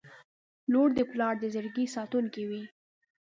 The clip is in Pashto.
• لور د پلار د زړګي ساتونکې وي.